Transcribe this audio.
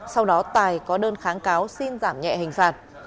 sau đó tài có đơn kháng cáo xin giảm nhẹ hình phạt